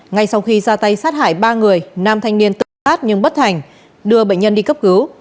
ngay sau khi ra tay sát hải ba người nam thanh niên tự sát nhưng bất thành đưa bệnh nhân đi cấp cứu